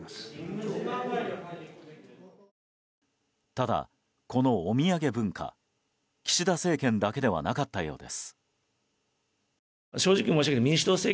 ただ、このお土産文化岸田政権だけではなかったようです。